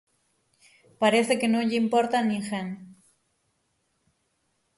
Parece que non lle importa a ninguén.